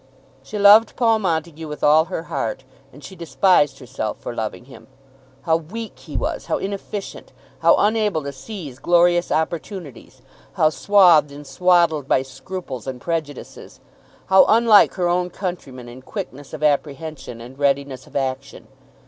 She loved Paul Montague with all her heart, and she despised herself for loving him. How weak he was; how inefficient; how unable to seize glorious opportunities; how swathed and swaddled by scruples and prejudices; how unlike her own countrymen in quickness of apprehension and readiness of action!